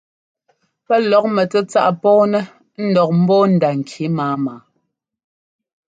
Pɛ́ lɔk mɛtsɛ́tsáꞌ pɔ́ɔnɛ́ ńdɔk ḿbɔ́ɔ nda-ŋki máama.